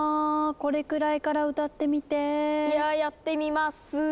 「これくらいから歌ってみて」「ややってみます」